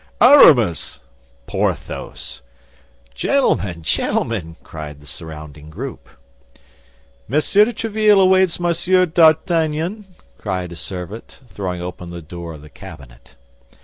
"Aramis!" "Porthos!" "Gentlemen! Gentlemen!" cried the surrounding group. "Monsieur de Tréville awaits Monsieur d'Artagnan," cried a servant, throwing open the door of the cabinet.